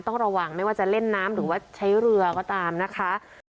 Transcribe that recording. ต้องระวังไม่ว่าจะเล่นน้ำหรือว่าใช้เรือก็ตามนะคะ